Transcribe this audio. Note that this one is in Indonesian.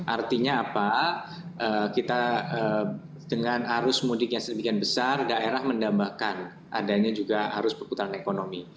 artinya apa kita dengan arus mudik yang sedemikian besar daerah mendambakan adanya juga arus perputaran ekonomi